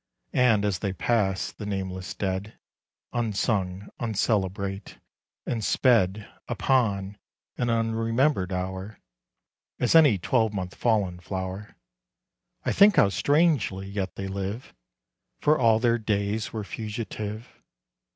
And as they pass, the nameless dead, Unsung, uncelebrate, and sped Upon an unremembered hour As any twelvemonth fallen flower, I think how strangely yet they live For all their days were fugitive.